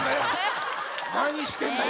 何してんだよ。